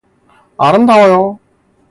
아름다워요.